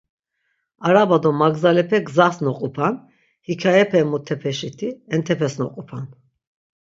Araba do magzalepe gzas noqupan, hekayepemutepeşiti entepes noqupan.